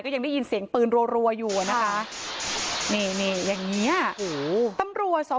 ยังได้ยินเสียงปืนรัวอยู่อะนะคะนี่นี่อย่างเงี้ยโอ้โหตำรวจสอบ